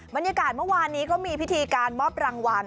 บรรยากาศเมื่อวานนี้เขามีพิธีการมอบรางวัล